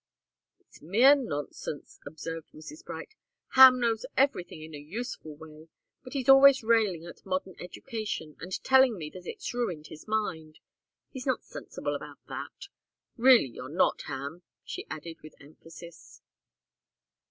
"It's mere nonsense," observed Mrs. Bright. "Ham knows everything in a useful way. But he's always railing at modern education, and telling me that it's ruined his mind. He's not sensible about that. Really you're not, Ham," she added, with emphasis.